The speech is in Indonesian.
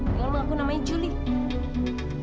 dengan mengaku namanya julie